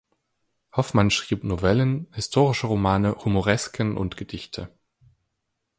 Hoffmann schrieb Novellen, historische Romane, Humoresken und Gedichte.